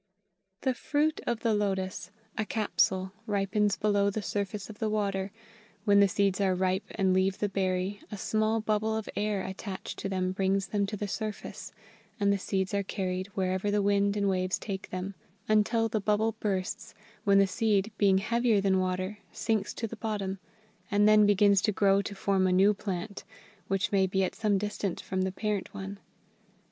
] "THE fruit of the lotus a capsule ripens below the surface of the water. When the seeds are ripe and leave the berry, a small bubble of air attached to them brings them to the surface, and the seeds are carried wherever the wind and waves take them until the bubble bursts; when the seed, being heavier than water, sinks to the bottom, and then begins to grow to form a new plant, which may be at some distance from the parent one.